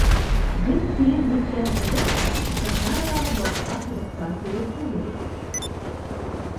Беҙ килеп еткән ҡоҙоҡ, Сахаралағы башҡа ҡоҙоҡтар кеүек түгел ине.